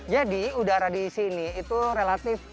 jadi udara di sini itu relatif